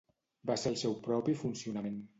Va ser el seu propi funcionament.